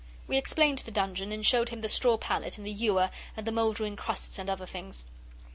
We explained the dungeon, and showed him the straw pallet and the ewer and the mouldering crusts and other things.